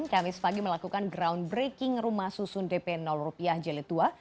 kamis pagi melakukan groundbreaking rumah susun dp rupiah jelit tua